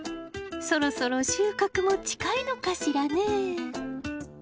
そろそろ収穫も近いのかしらねぇ。